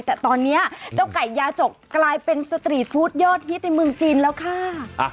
แต่ตอนนี้เจ้าไก่ยาจกกลายเป็นสตรีทฟู้ดยอดฮิตในเมืองจีนแล้วค่ะ